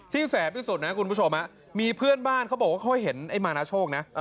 แสบที่สุดนะคุณผู้ชมมีเพื่อนบ้านเขาบอกว่าเขาเห็นไอ้มานาโชคนะ